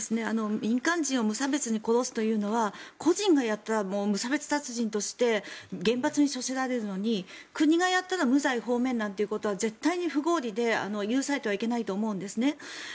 民間人を無差別に殺すというのは個人がやったら無差別殺人として厳罰に処せられるのに国がやったら無罪放免なんてことは絶対に不合理で許されてはいけないと思うんですね。